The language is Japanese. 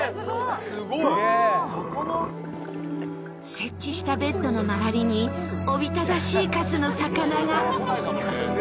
設置したベッドの周りにおびただしい数の魚が。